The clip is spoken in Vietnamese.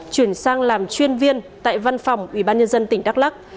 chuyển sang làm chuyên viên tại văn phòng ủy ban nhân dân tp hcm